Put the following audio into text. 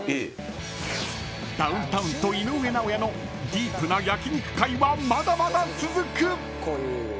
［ダウンタウンと井上尚弥のディープな焼肉会はまだまだ続く］